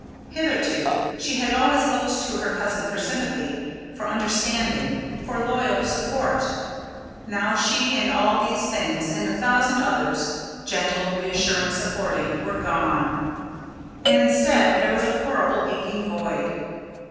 Hitherto, she had always looked to her cousin for sympathy, for understanding, for loyal support. Now she and all these things, and a thousand others gentle, assuring, supporting were gone. And instead there was a horrible aching void.